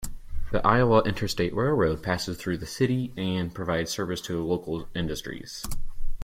The Iowa Interstate Railroad passes through the city and provides service to local industries.